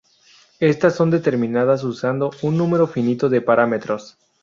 Estas son determinadas usando un número finito de parámetros.